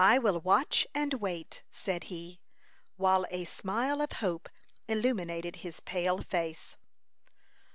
"I will watch and wait," said he, while a smile of hope illuminated his pale face.